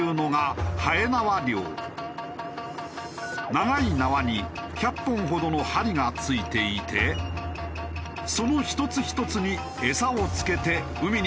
長い縄に１００本ほどの針が付いていてその１つ１つにエサを付けて海に投入。